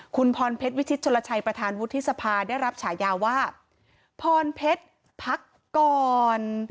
คุณพรเพชรวิชิตชนลชัยประธานวุฒิสภาได้รับฉายาว่าพรเพชรพักก่อน